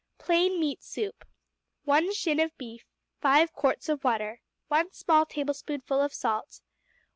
Plain Meat Soup 1 shin of beef. 5 quarts of water. 1 small tablespoonful of salt.